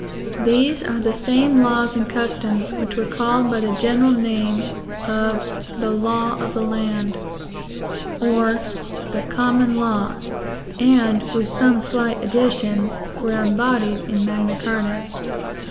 These are the same laws and customs which were called by the general name of "the law of the land," or "the common law," and, with some slight additions, were embodied in Magna Carta.